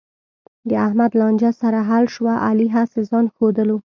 د احمد لانجه سره حل شوه، علي هسې ځآن ښودلو.